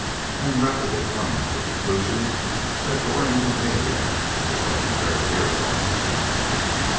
I am rapidly coming to the conclusion that Goring is a maniac or something very near one.